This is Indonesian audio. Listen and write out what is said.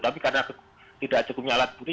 tapi karena tidak cukupnya alat bukti